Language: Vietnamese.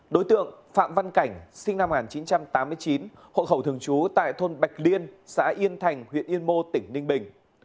đối tượng phạm văn cảnh sinh năm một nghìn chín trăm tám mươi chín hộ khẩu thường trú tại thôn bạch liên xã yên thành huyện yên mô tỉnh ninh bình